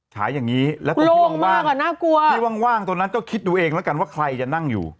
ฉายอย่างงี้แล้วก็พี่ว่างว่างพี่ว่างว่างตรงนั้นก็คิดดูเองแล้วกันว่าใครจะนั่งอยู่